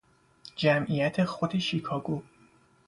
جمعیت خود شیکاگو